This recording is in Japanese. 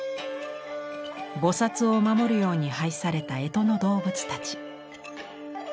菩を守るように配された干支の動物たち。